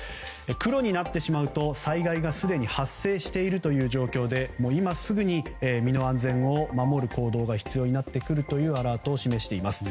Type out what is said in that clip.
黒になってしまうと災害がすでに発生している状況で今すぐに身の安全を守る行動が必要になってくるというアラートを示しています。